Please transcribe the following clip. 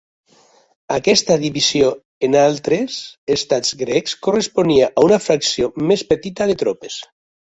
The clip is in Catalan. Aquesta divisió en altres estats grecs corresponia a una fracció més petita de tropes.